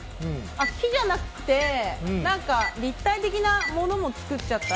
木じゃなくて立体的なものも作っちゃった？